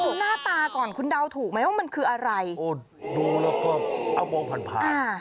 ดูหน้าตาก่อนคุณเดาถูกไหมว่ามันคืออะไรโอ้ดูแล้วก็เอามองผ่านผ่าน